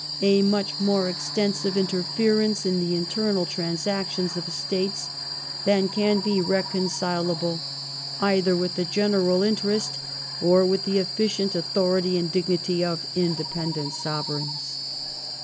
a much more extensive interference in the internal transactions of States than ... can be reconcilable either with the general interest or with the efficient authority and dignity of independent Sovereigns